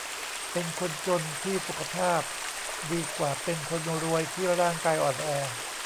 เป็นคนจนที่สุขภาพดีกว่าเป็นคนรวยที่ร่างกายอ่อนแอ